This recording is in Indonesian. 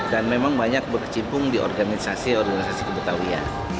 dan memang banyak berkecimpung di organisasi organisasi kebetawaian